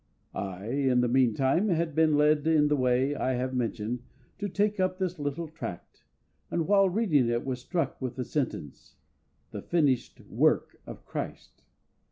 I in the meantime had been led in the way I have mentioned to take up this little tract, and while reading it was struck with the sentence, "The finished work of CHRIST."